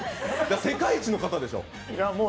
世界一の方でしょ？